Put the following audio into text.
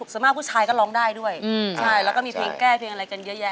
ส่วนมากผู้ชายก็ร้องได้ด้วยใช่แล้วก็มีเพลงแก้เพลงอะไรกันเยอะแยะ